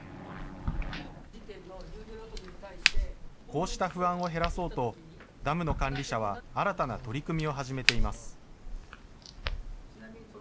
こうした不安を減らそうと、ダムの管理者は新たな取り組みを始めています。